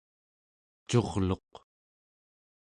curluq